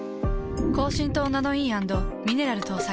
高浸透ナノイー＆ミネラル搭載。